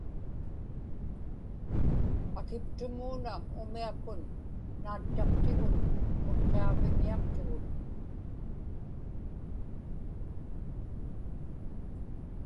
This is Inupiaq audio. akiptumuuna umiakun naattaptigun, Utqiaġviŋñiaqtugut...